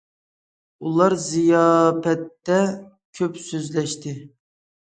ئۇلار زىياپەتتە كۆپ سۆزلەشتى.